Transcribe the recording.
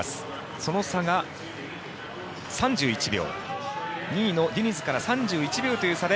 その差が３１秒。